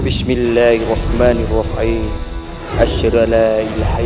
aku berdoa kepada allah